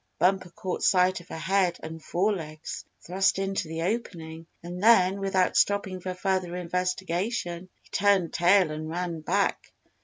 Bumper caught sight of a head and forelegs thrust into the opening, and then, without stopping for further investigation, he turned tail and ran back.